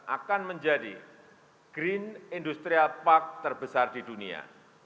akan menjadi green industrial park terbesar di dunia